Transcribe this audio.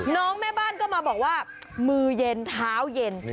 แม่บ้านก็มาบอกว่ามือเย็นเท้าเย็น